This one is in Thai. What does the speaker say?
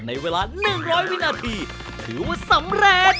ในเวลา๑๐๐วินาทีถือว่าสำเร็จ